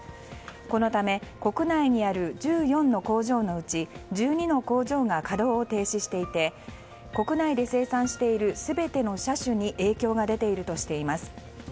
このため国内にある１４の工場のうち１２の工場が稼働を停止していて国内で生産している全ての車種に影響が出ているとしています。